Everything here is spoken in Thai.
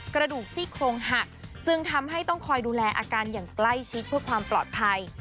กระดูกซี่โครงหักจึงทำให้ต้องคอยดูแลอาการอย่างใกล้ชิดเพื่อความปลอดภัย